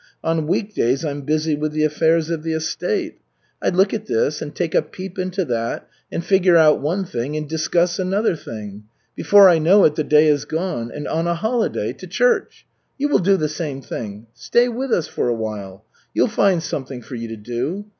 On week days I'm busy with the affairs of the estate. I look at this and take a peep into that, and figure out one thing and discuss another thing. Before I know it, the day is gone. And on a holiday to church! You will do the same thing. Stay with us for a while. We'll find something for you to do.